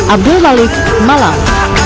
abdul balik malang